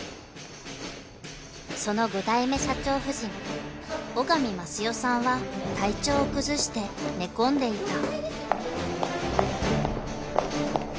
［その５代目社長夫人尾上益代さんは体調を崩して寝込んでいた］